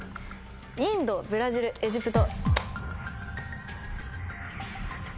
インドブラジルエジプト。